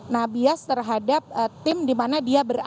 nah bias terhadap tim dimana dia berahli